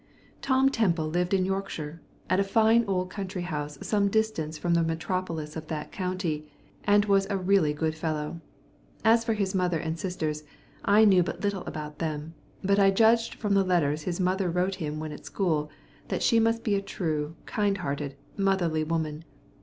Tom Temple lived in Yorkshire, at a fine old country house some distance from the metropolis of that county, and was a really good fellow. As for his mother and sisters, I knew but little about them, but I judged from the letters his mother wrote him when at school, that she must be a true, kind hearted, motherly woman.